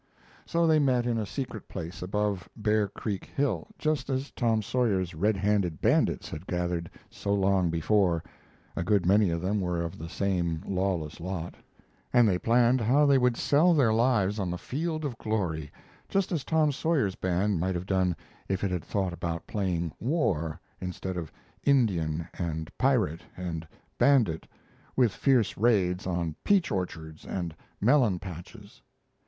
So they met in a secret place above Bear Creek Hill, just as Tom Sawyer's red handed bandits had gathered so long before (a good many of them were of the same lawless lot), and they planned how they would sell their lives on the field of glory, just as Tom Sawyer's band might have done if it had thought about playing "War," instead of "Indian" and "Pirate" and "Bandit" with fierce raids on peach orchards and melon patches.